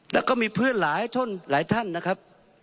และก็มีเพื่อนหลายท่านนะครับ